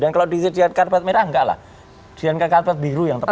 dan kalau di zian karpet merah nggak lah zian karpet biru yang tepat